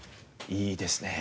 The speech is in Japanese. いいですね。